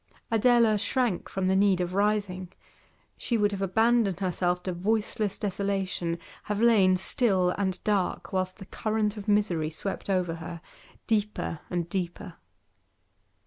Adela shrank from the need of rising; she would have abandoned herself to voiceless desolation, have lain still and dark whilst the current of misery swept over her, deeper and deeper.